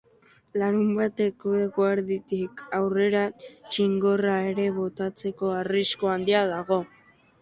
Larunbateko eguerditik aurrera, txingorra ere botatzeko arrisku handia dago.